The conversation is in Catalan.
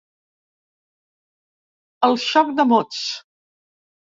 El xoc de mots.